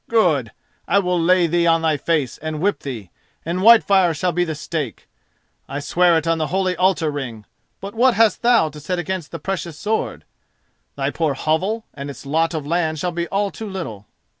Good! I will lay thee on thy face and whip thee, and Whitefire shall be the stake—I swear it on the holy altar ring; but what hast thou to set against the precious sword? Thy poor hovel and its lot of land shall be all too little."